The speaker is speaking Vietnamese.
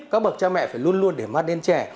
các bậc cha mẹ phải luôn luôn để mắt đến trẻ